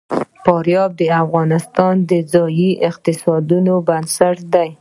فاریاب د افغانستان د ځایي اقتصادونو بنسټ دی.